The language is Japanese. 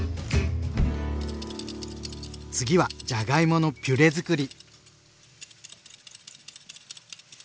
次はじゃがいものピュレづくり。